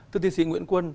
thưa tiên sĩ nguyễn quân